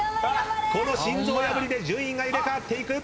この心臓破りで順位が入れ替わっていく。